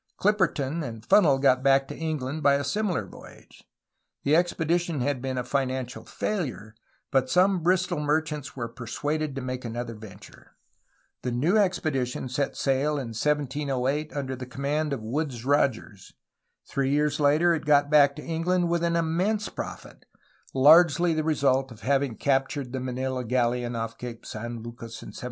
Clip perton and Funnel got back to England by a similar voyage. The expedition had been a financial failure, but some Bristol merchants were persuaded to make another venture. The new expedition set sail in 1708 under the command of Woodes Rogers. Three years later it got back to England with an immense profit, largely the result of having cap tured the Manila galleon off Cape San Lucas in 1709.